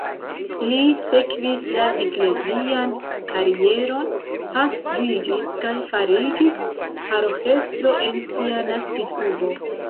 Li sekvis la eklezian karieron, pastriĝis kaj fariĝis paroĥestro en sia naskiĝurbo.